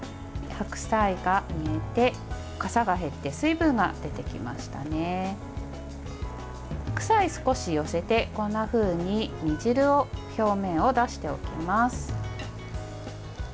白菜は少し寄せてこんなふうに煮汁を表面を出しておきます。